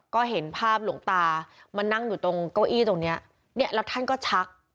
ก็เห็นภาพหลวงตามานั่งอยู่ตรงเก้าอี้ตรงเนี้ยเนี่ยแล้วท่านก็ชัก